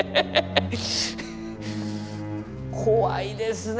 怖いですね。